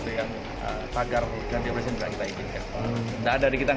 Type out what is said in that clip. tidak ada di kita tidak ada di kita